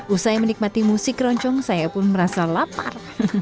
usai menikmati musik keroncong saya pun merasa lapar